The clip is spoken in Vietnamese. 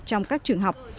trong các trường học